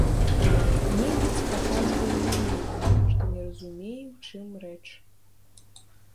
Немец паказвае на мігі, што не разумее, у чым рэч.